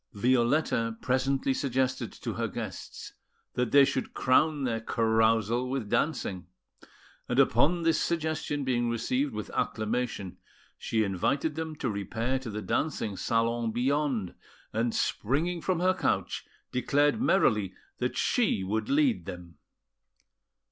Violetta presently suggested to her guests that they should crown their carousal with dancing; and upon this suggestion being received with acclamation, she invited them to repair to the dancing salon beyond, and, springing from her couch, declared merrily that she would lead them.